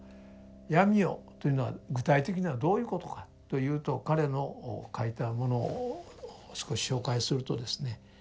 闇夜というのは具体的にはどういうことかというと彼の書いたものを少し紹介するとですね